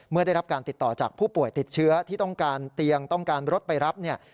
ได้รับการติดต่อจากผู้ป่วยติดเชื้อที่ต้องการเตียงต้องการรถไปรับเนี่ย